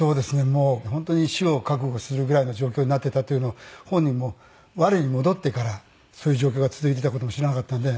もう本当に死を覚悟するぐらいの状況になってたっていうのを本人も我に戻ってからそういう状況が続いてた事も知らなかったんで。